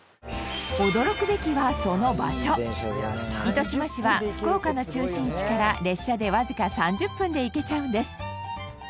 糸島市は福岡の中心地から列車でわずか３０分で行けちゃうんです。